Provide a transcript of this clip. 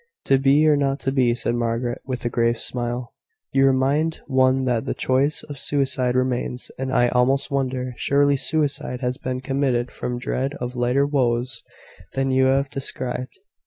"`To be or not to be,'" said Margaret, with a grave smile. "You remind one that the choice of suicide remains: and I almost wonder Surely suicide has been committed from dread of lighter woes than you have described."